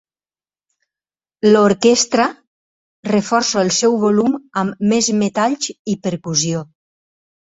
L'orquestra reforça el seu volum amb més metalls i percussió.